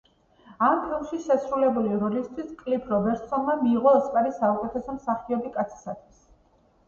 ამ ფილმში შესრულებული როლისთვის კლიფ რობერტსონმა მიიღო ოსკარი საუკეთესო მსახიობი კაცისთვის.